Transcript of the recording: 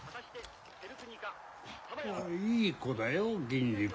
いい子だよ銀次君。